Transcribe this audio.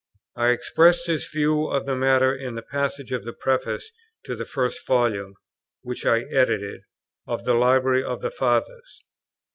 I express this view of the matter in a passage of the Preface to the first volume, which I edited, of the Library of the Fathers.